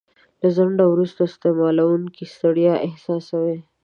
له ځنډه وروسته استعمالوونکی ستړیا احساسوي.